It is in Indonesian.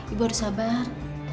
ibu harus sabar